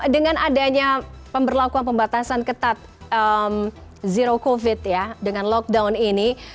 dengan adanya pemberlakuan pembatasan ketat zero covid ya dengan lockdown ini